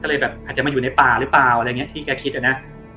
ก็เลยแบบอาจจะมาอยู่ในป่าหรือเปล่าอะไรอย่างนี้ที่แกคิดอะนะ